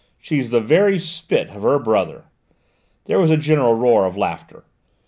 She's the very spit of her brother!" There was a general roar of laughter.